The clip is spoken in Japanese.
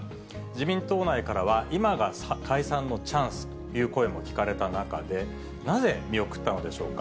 自民党内からは今が解散のチャンスという声も聞かれた中で、なぜ見送ったのでしょうか。